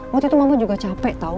waktu itu mama juga capek tau